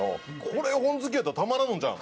これ本好きやったらたまらんのちゃう？